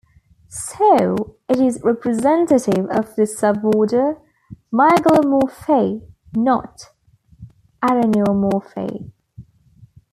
So it is a representative of the suborder Mygalomorphae, "not" Araneomorphae.